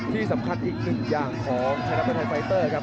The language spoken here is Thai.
ที่สำคัญอีกหนึ่งอย่างมาจากสถานบริษัทไฟเตอร์ครับ